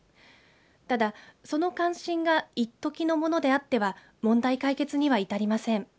ただ、その関心が一時のものであっては問題解決には至りません。